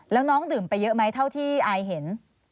แล้วน้องดื่มไปเยอะไหมเท่าที่อายเห็น